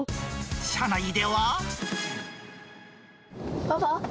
車内では。